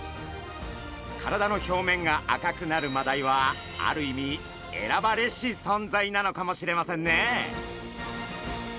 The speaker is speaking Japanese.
体の表面が赤くなるマダイはある意味選ばれし存在なのかもしれませんね。